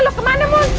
lo ke mana mun